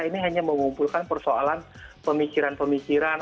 ini hanya mengumpulkan persoalan pemikiran pemikiran